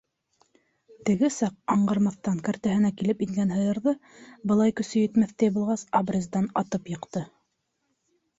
Теге саҡ аңғармаҫтан кәртәһенә килеп ингән һыйырҙы, былай көсө етмәҫтәй булғас, обрездан атып йыҡты.